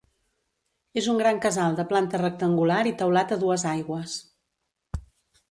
És un gran casal de planta rectangular i teulat a dues aigües.